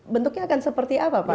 bentuknya akan seperti apa pak